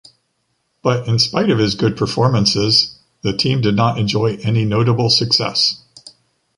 But in spite of his good performances, the team did not enjoy any notable success.